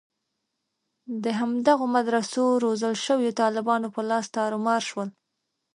د همدغو مدرسو روزل شویو طالبانو په لاس تارومار شول.